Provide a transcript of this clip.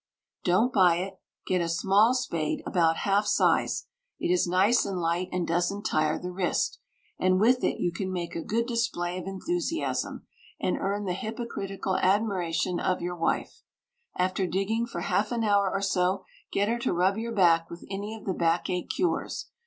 Don't buy it. Get a small spade, about half size it is nice and light and doesn't tire the wrist, and with it you can make a good display of enthusiasm, and earn the hypocritical admiration of your wife. After digging for half an hour or so, get her to rub your back with any of the backache cures.